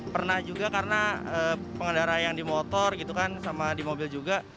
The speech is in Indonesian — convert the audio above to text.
pernah juga karena pengendara yang di motor gitu kan sama di mobil juga